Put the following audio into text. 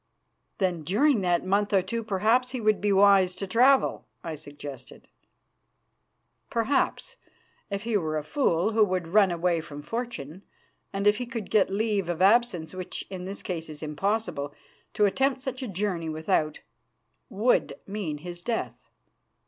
"Then during that month or two perhaps he would be wise to travel," I suggested. "Perhaps, if he were a fool who would run away from fortune, and if he could get leave of absence, which in his case is impossible; to attempt such a journey without it would mean his death.